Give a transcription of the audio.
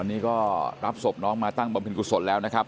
ตอนนี้ก็รับศพน้องมาตั้งบำเพ็ญกุศลแล้วนะครับ